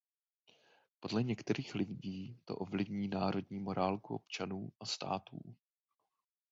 Podle některých lidí to ovlivní národní morálku občanů a států.